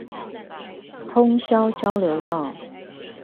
通霄交流道